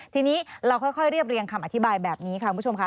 ทีนี้เราค่อยเรียบเรียงคำอธิบายแบบนี้ค่ะคุณผู้ชมค่ะ